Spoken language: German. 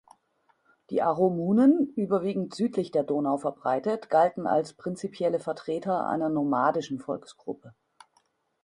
Die Aromunen, überwiegend südlich der Donau verbreitet, galten als prinzipielle Vertreter einer nomadischen Volksgruppe.